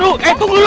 udah tangkap lu